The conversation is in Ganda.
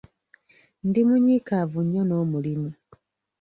Ndi munyiikaavu nnyo n'omulimu.